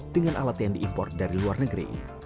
dengan alat yang diimpor dari luar negeri